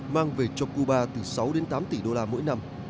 mang về cho cuba từ sáu đến tám tỷ đô la mỗi năm